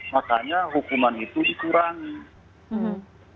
makanya hukuman itu dikurangi